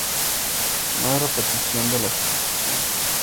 No hay repetición de la exposición.